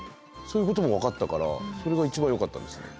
そういうことも分かったからそれが一番よかったですね。